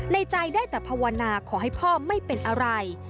ในใจได้แต่ภาวนาขอให้พ่อไม่เป็นอะไร